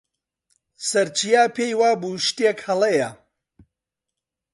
سەرچیا پێی وا بوو شتێک هەڵەیە.